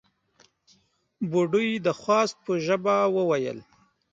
بوډۍ د خواست په ژبه وويل: